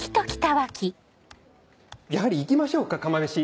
やはり行きましょうか釜飯。